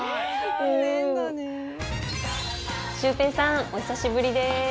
シュウペイさんお久しぶりです。